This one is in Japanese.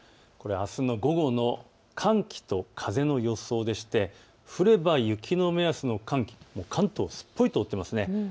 あすの午後の寒気と風の予想でして降れば雪の目安の寒気、関東をすっぽりと覆っています。